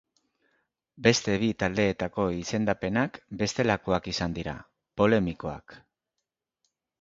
Beste bi taldeetako izendapenak bestelakoak izan dira, polemikoak.